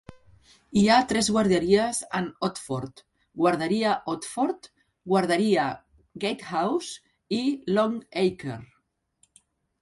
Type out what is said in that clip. Hi ha tres guarderies en Otford: Guarderia Otford, Guarderia Gatehouse i Longacre.